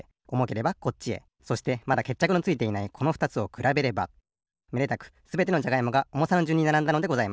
そしてまだけっちゃくのついていないこのふたつをくらべればめでたくすべてのじゃがいもがおもさのじゅんにならんだのでございます。